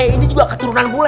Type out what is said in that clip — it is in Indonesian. saya ini juga keturunan bule